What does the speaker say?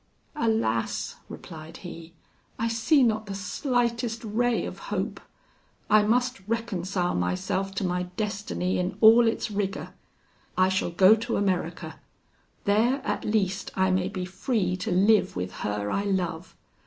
"Alas!" replied he, "I see not the slightest ray of hope. I must reconcile myself to my destiny in all its rigour. I shall go to America: there, at least, I may be free to live with her I love.